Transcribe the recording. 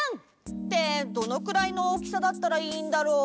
ってどのくらいの大きさだったらいいんだろう？